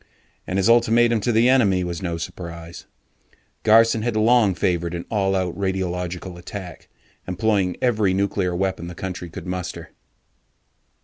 And his ultimatum to the enemy was no surprise. Garson had long favored an all out radiological attack, employing every nuclear weapon the country could muster.